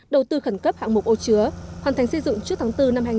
đầu tư khẩn cấp hạng mục ô chứa hoàn thành xây dựng trước tháng bốn năm hai nghìn hai mươi